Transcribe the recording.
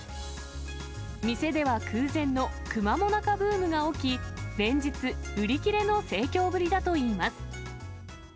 店では空前のくま最中ブームが起き、連日売り切れの盛況ぶりだといいます。